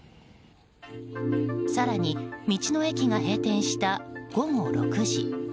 更に、道の駅が閉店した午後６時。